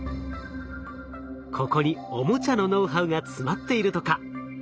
ここにオモチャのノウハウが詰まっているとか。